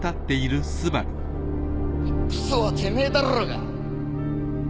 クソはてめえだろうが！